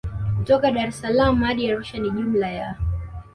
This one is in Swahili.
Kutoka Daressalaam hadi Arusha ni jumla ya